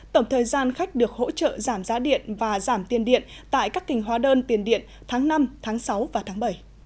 tổng thời gian khách được hỗ trợ giảm giá điện và giảm tiền điện tại các kinh hóa đơn tiền điện tháng năm tháng sáu và tháng bảy